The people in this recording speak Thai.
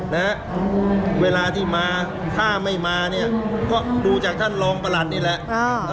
นะฮะเวลาที่มาถ้าไม่มาเนี่ยก็ดูจากท่านรองประหลัดนี่แหละ